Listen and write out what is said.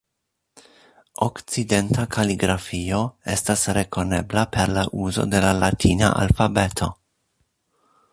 Okcidenta kaligrafio estas rekonebla per la uzo de la latina alfabeto.